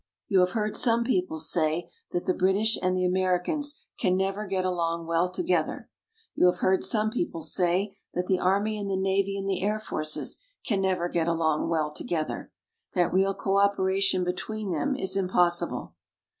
You have heard some people say that the British and the Americans can never get along well together you have heard some people say that the Army and the Navy and the Air Forces can never get along well together that real cooperation between them is impossible.